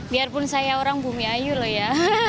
biarpun saya orang bumi ayu loh ya